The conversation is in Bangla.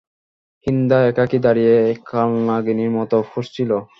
হিন্দা একাকী দাঁড়িয়ে কালনাগিনীর মত ফুঁসছিল।